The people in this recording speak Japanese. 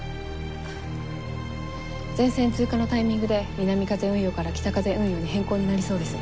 前線通過のタイミングで南風運用から北風運用に変更になりそうです。